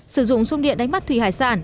sử dụng sung điện đánh bắt thủy hải sản